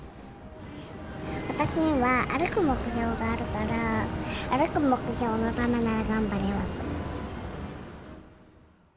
私には歩く目標があるから、歩く目標のためなら頑張れます。